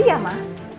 dengar suara dewi